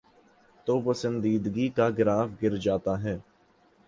توپسندیدگی کا گراف گر جاتا ہے۔